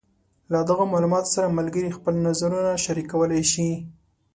له دغو معلوماتو سره ملګري خپل نظرونه شریکولی شي.